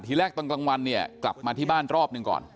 แรกตอนกลางวันเนี่ยกลับมาที่บ้านรอบหนึ่งก่อน